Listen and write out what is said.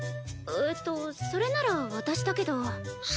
えっとそれなら私だけど。